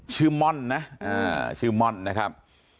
ม่อนนะชื่อม่อนนะครับ